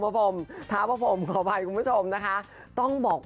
ปากแดง